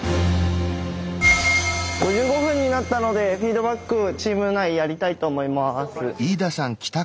５５分になったのでフィードバックチーム内やりたいと思います。